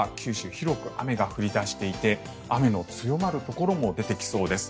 広く雨が降り出していて雨の強まるところも出てきそうです。